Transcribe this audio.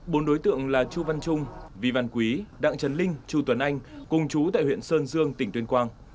bốn đối tượng là chu văn trung vi văn quý đặng trần linh chu tuấn anh cùng chú tại huyện sơn dương tỉnh tuyên quang